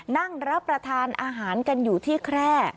นั่งรับประทานอาหารกันอยู่ที่แคร่